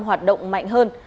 hoạt động mạnh hơn